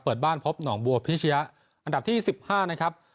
เปิดบ้านพบหนองบัวพิชยะอันดับที่๑๕นะครับ